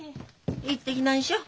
行ってきなんしょ。